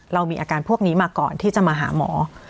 เรามีอาการพวกนี้มาก่อนที่จะมาหาหมอ